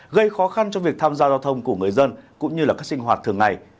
gây khó khăn cho việc tham gia giao thông của người dân cũng như là các sinh hoạt thường ngày